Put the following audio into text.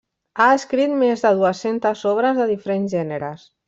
Ha escrit més de dues-centes obres de diferents gèneres.